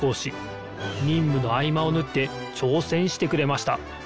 にんむのあいまをぬってちょうせんしてくれました。